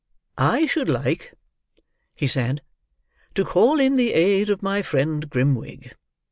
"I should like," he said, "to call in the aid of my friend Grimwig.